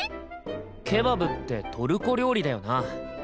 ケバブってトルコ料理だよな。